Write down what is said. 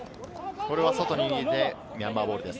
これは外に逃げてミャンマーボールです。